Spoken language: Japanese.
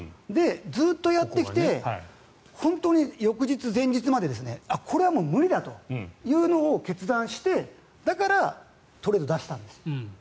ずっとやってきて本当に翌日、前日までこれはもう無理だというのを決断してだからトレードに出したんです。